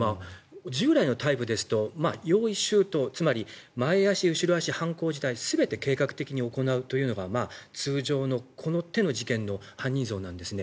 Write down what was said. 従来のタイプですと用意周到つまり前足、後ろ足、犯行自体全て計画的に行うというのが通常のこの手の事件の犯人像なんですね。